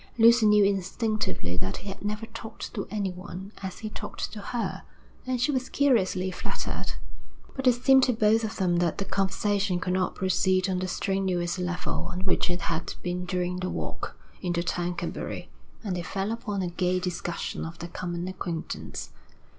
Lucy knew instinctively that he had never talked to anyone as he talked to her, and she was curiously flattered. But it seemed to both of them that the conversation could not proceed on the strenuous level on which it had been during the walk into Tercanbury, and they fell upon a gay discussion of their common acquaintance.